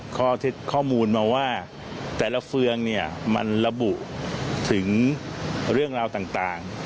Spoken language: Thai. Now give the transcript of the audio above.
ข้อมูลมาว่าแต่ละเฟืองเนี่ยมันระบุถึงเรื่องราวต่าง